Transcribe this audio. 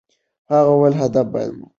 هغه وویل، هدف باید معقول وي.